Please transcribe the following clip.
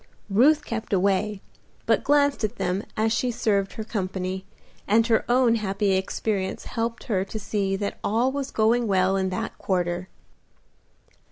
Ruth kept away, but glanced at them as she served her company, and her own happy experience helped her to see that all was going well in that quarter.